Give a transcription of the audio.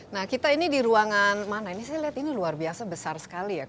nah kita ini di ruangan mana ini saya lihat ini luar biasa besar sekali ya